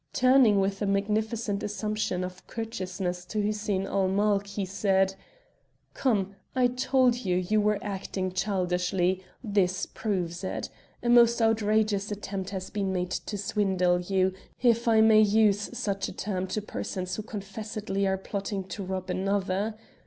Turning with a magnificent assumption of courteousness to Hussein ul Mulk, he said "Come, I told you you were acting childishly; this proves it. A most outrageous attempt has been made to swindle you, if I may use such a term to persons who confessedly are plotting to rob another.